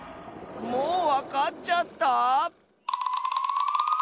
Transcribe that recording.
もうわかっちゃった？